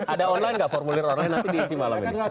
ada online gak formulir online nanti diisi malam ini